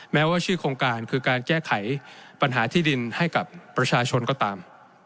แม้ว่าชื่อโครงการคือการแก้ไขปัญหาที่ดินให้กับประชาชนก็ตาม